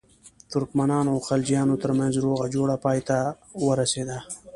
ترکمنانو او خلجیانو ترمنځ روغه جوړه پای ته ورسېده.